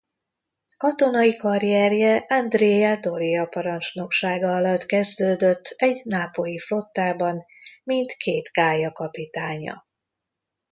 Katonai karrierje Andrea Doria parancsnoksága alatt kezdődött egy nápolyi flottában mint két gálya kapitánya.